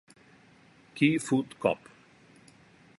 Key Food Cop.